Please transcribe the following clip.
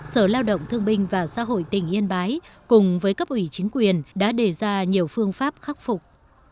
sở lao động thương binh và xã hội tỉnh yên bái cùng với cấp ủy chính quyền đã đề ra nhiều phương pháp khắc phục